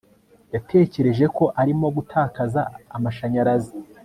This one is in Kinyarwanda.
yatekereje ko arimo gutakaza amashanyarazi